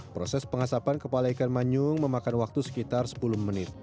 proses pengasapan kepala ikan manyung memakan waktu sekitar sepuluh menit